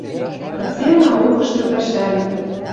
Кыце «Наукышты» пӓшӓлӓт». —